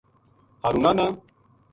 ہارونا نا